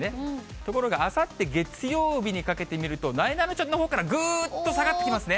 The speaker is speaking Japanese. ところがあさって月曜日にかけて見ると、なえなのちゃんのほうからぐーっと下がってきますね。